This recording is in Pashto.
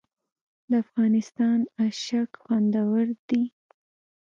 د افغانستان اشک خوندور دي